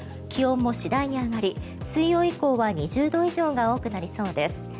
気温も次第に上がり、水曜以降は２０度以上が多くなりそうです。